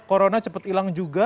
corona cepet hilang juga